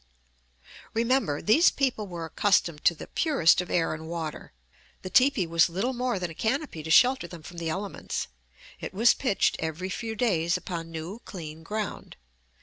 Remember, these people were accustomed to the purest of air and water. The teepee was little more than a canopy to shelter them from the elements; it was pitched every few days upon new, clean ground.